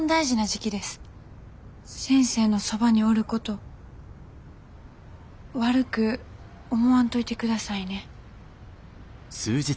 先生のそばにおること悪く思わんといてくださいね。